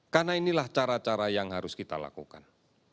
karena inilah cara cara yang harus kita lakukan